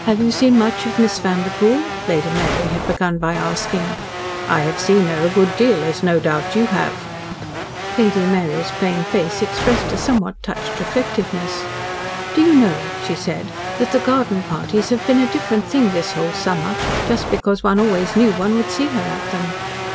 "Have you seen much of Miss Vanderpoel?" Lady Mary had begun by asking. "I have SEEN her a good deal, as no doubt you have." Lady Mary's plain face expressed a somewhat touched reflectiveness. "Do you know," she said, "that the garden parties have been a different thing this whole summer, just because one always knew one would see her at them?"